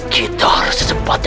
kita harus sempat